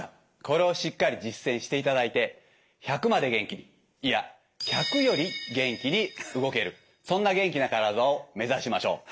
これをしっかり実践していただいて１００まで元気にいや１００より元気に動けるそんな元気な体を目指しましょう。